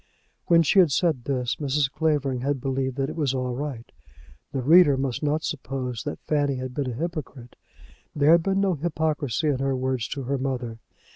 When she had said this, Mrs. Clavering had believed that it was all right. The reader must not suppose that Fanny had been a hypocrite. There had been no hypocrisy in her words to her mother.